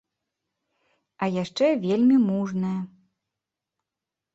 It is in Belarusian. А яшчэ вельмі мужная.